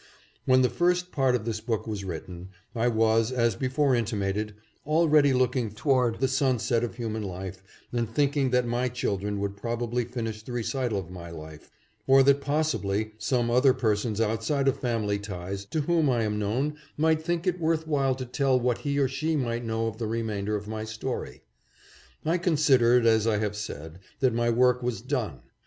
When the first part of this book was written, I was, as before intimated, already looking toward the sun set of human life and thinking that my children would probably finish the recital of my life, or that possibly some other persons outside of family ties to whom I am known might think it worth while to tell what he or she might know of the remainder of my story. I con sidered, as I have said, that my work was done.